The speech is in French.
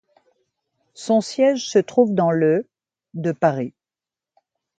Son siège se trouve dans le de Paris.